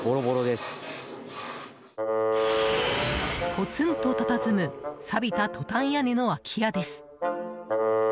ぽつんとたたずむさびたトタン屋根の空き家です。